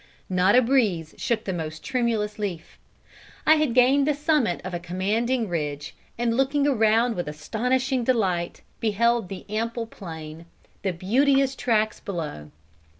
Not a breeze shook the most tremulous leaf. I had gained the summit of a commanding ridge, and looking around with astonishing delight beheld the ample plain, the beauteous tracts below.